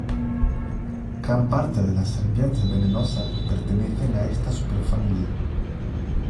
Gran parte de las serpientes venenosas pertenecen a esta superfamilia.